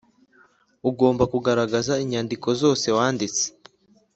ugomba kugaragaza inyandikozose wanditse